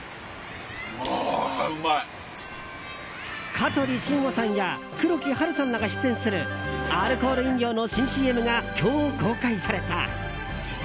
香取慎吾さんや黒木華さんらが出演するアルコール飲料の新ＣＭが今日公開された。